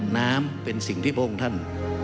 น้ำเป็นสิ่งที่พระองค์ท่าน